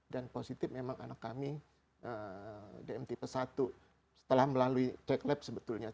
dan positif memang anak kami dm tipe satu setelah melalui tech lab sebetulnya